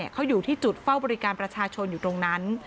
เขาอยู่ที่จุดเฝ้าบริการประชาชนอยู่ตรงนั้น